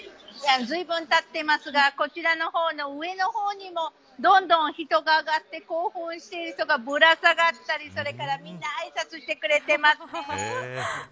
ずいぶんたっていますがこちらの方の上の方にもどんどん人が上がって興奮している人がぶら下がったり、みんなあいさつしてくれてますね。